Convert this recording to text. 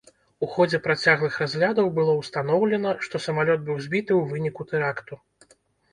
У ходзе працяглых разглядаў было ўстаноўлена, што самалёт быў збіты ў выніку тэракту.